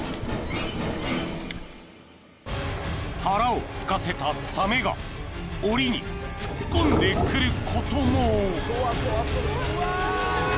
［腹をすかせたサメがおりに突っ込んでくることも］